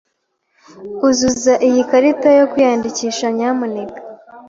Uzuza iyi karita yo kwiyandikisha, nyamuneka.